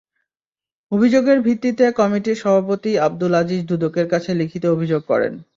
অভিযোগের ভিত্তিতে কমিটির সভাপতি আবদুল আজিজ দুদকের কাছে লিখিত অভিযোগ করেন।